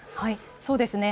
そうですね。